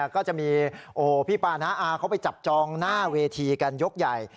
ก็จะมีพี่ปาน้าอาเขาไปจับจองหน้าเวทีกันยกใหญ่